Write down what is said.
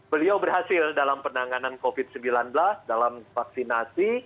beliau berhasil dalam penanganan covid sembilan belas dalam vaksinasi